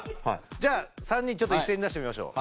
じゃあ３人ちょっと一斉に出してみましょう。